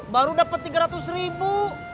baru dapat tiga ratus ribu